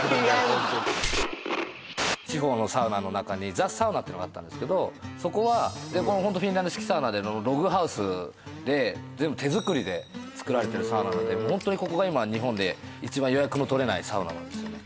ホントに地方のサウナの中にＴｈｅＳａｕｎａってのがあったんですけどそこはホントフィンランド式サウナでログハウスで全部手づくりでつくられてるサウナなのでホントにここが今日本で一番予約の取れないサウナなんですよね